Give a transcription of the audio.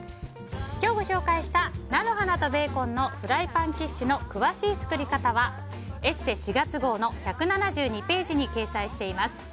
今日ご紹介した菜の花とベーコンのフライパンキッシュの詳しい作り方は「ＥＳＳＥ」４月号の１７２ページに掲載しています。